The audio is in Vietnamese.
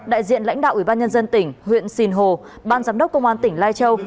đại diện lãnh đạo ủy ban nhân dân tỉnh huyện sìn hồ ban giám đốc công an tỉnh lai châu